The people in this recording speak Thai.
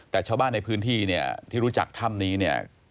แต่ชาวบ้านในพื้นที่เนี่ยที่รู้จักถ้ำนี้เนี่ย